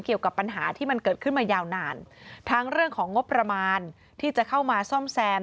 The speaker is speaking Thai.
เกี่ยวกับปัญหาที่มันเกิดขึ้นมายาวนานทั้งเรื่องของงบประมาณที่จะเข้ามาซ่อมแซม